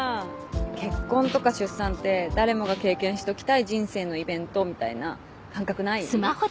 結婚とか出産って誰もが経験しておきたい人生のイベントみたいな感覚ない？